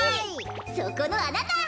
そこのあなた！